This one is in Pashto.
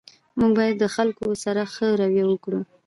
موږ باید د خلګو سره ښه رویه وکړو